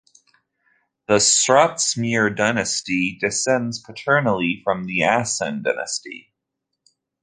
The Sratsimir dynasty descends paternally from the Asen dynasty.